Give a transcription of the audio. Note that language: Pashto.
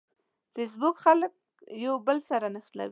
فېسبوک خلک یو بل سره نښلوي